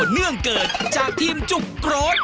เนื่องเกิดจากทีมจุกโกรธ